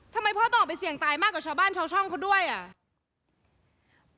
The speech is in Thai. ทำไมพ่อต้องออกไปเสี่ยงตายมากกว่าชาวบ้านชาวช่องเขาด้วยอ่ะ